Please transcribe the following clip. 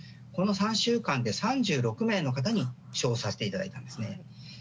この３週間で３６名の方に処方させていただいたんです。